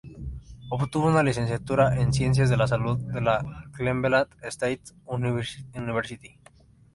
Obtuvo una licenciatura en ciencias de la salud de la Cleveland State University.